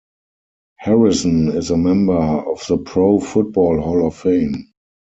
Harrison is a member of the Pro Football Hall of Fame.